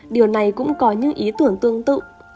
điều này cũng có những ý tưởng tương tự